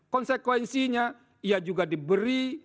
konsekuensinya ia juga diberi